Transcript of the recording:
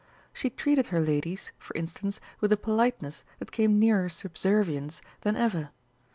She treated her ladies, for instance, with a politeness that came nearer subservience than ever.